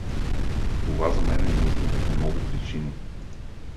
Това за мен е нужно по много причини.